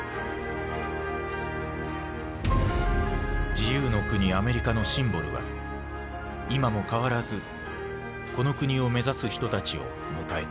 自由の国アメリカのシンボルは今も変わらずこの国を目指す人たちを迎えている。